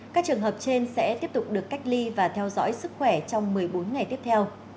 các trường hợp trên sẽ tiếp tục được cách ly và theo dõi sức khỏe trong một mươi bốn ngày tiếp theo